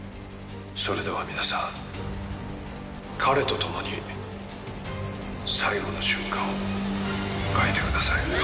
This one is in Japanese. それでは皆さん彼と共に最後の瞬間を迎えてください。